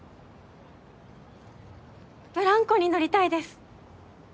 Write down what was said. ブランコに乗りたいです。